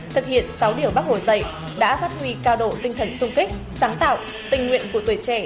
thực hiện sáu điều bác hồ dạy đã phát huy cao độ tinh thần sung kích sáng tạo tình nguyện của tuổi trẻ